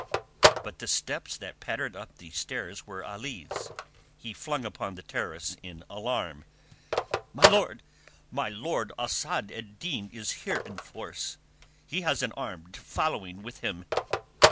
But the steps that pattered up the stairs were Ali's. He flung upon the terrace in alarm. "My lord, my lord! Asad ed Din is here in force. He has an armed following with him!"